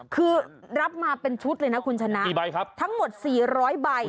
คือรับมาเป็นชุดเลยนะคุณชนะ๔ใบครับทั้งหมด๔๐๐ใบ